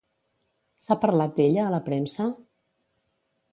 S'ha parlat d'ella a la premsa?